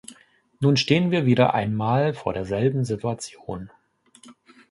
Nun stehen wir wieder einmal vor derselben Situation.